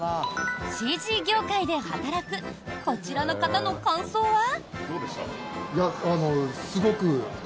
ＣＧ業界で働くこちらの方の感想は？